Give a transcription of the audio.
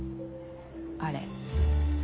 あれ。